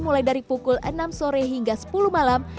pada pukul enam sore hingga sepuluh malam